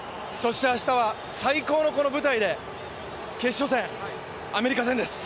明日は最高のこの舞台で決勝戦、アメリカ戦です。